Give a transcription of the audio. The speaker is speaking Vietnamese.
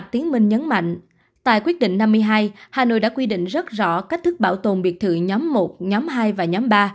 tại quyết định năm mươi hai hà nội đã quy định rất rõ cách thức bảo tồn biệt thự nhóm một nhóm hai và nhóm ba